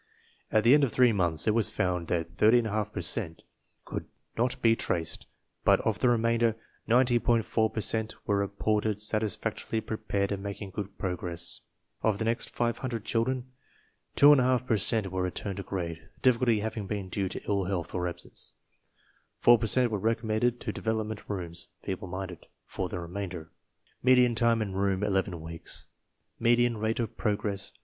At the end of three months it was found that 30}^ per cent could not be traced, but of the remainder, 90.4 per cent were reported satisfac torily prepared and making good progress. Of the next 500 children St}/2 per cent were returned to grade, the difficulty having been due to ill health or absence 4 per cent were recommended to Development Rooms (feeble minded) For the remainder Median time in room, 11 weeks Median rate of progress, 4.